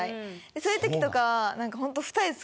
そういう時とかなんかホント。